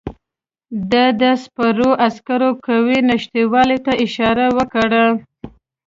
ده د سپرو عسکرو قوې نشتوالي ته اشاره وکړه.